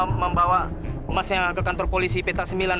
kita lagi mau membawa masnya ke kantor polisi peta sembilan mbak